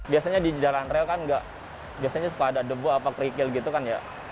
biasanya di jalan rel kan nggak biasanya suka ada debu apa kerikil gitu kan ya